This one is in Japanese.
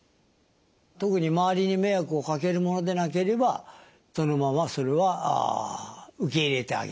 特に周りに迷惑をかけるものでなければそのままそれは受け入れてあげると。